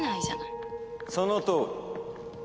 そのとおり。